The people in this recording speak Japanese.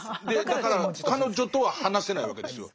だから彼女とは話せないわけですよ。